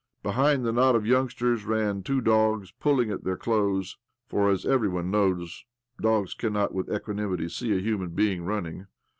Behind the knot of youngsters ran two dogs, piulHng at their clothes ; for, as every, one knows, dogs cannot with equanimity see a human being running.